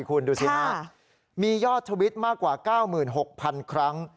คุณดูสิฮะมียอดทวิตมากกว่า๙๖๐๐๐ครั้ง